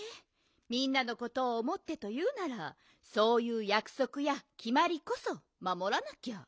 みんなのことをおもってというならそういうやくそくやきまりこそまもらなきゃ。